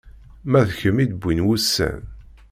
Ma d kemm i d-wwin wussan.